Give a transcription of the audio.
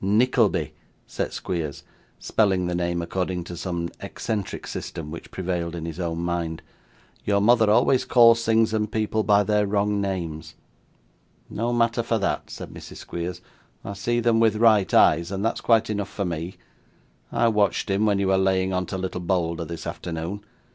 'Nickleby,' said Squeers, spelling the name according to some eccentric system which prevailed in his own mind; 'your mother always calls things and people by their wrong names.' 'No matter for that,' said Mrs. Squeers; 'I see them with right eyes, and that's quite enough for me. I watched him when you were laying on to little Bolder this afternoon.